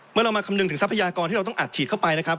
เรามาคำนึงถึงทรัพยากรที่เราต้องอัดฉีดเข้าไปนะครับ